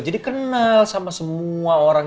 jadi kenal sama semua orang